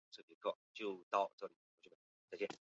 道路原名为七中路。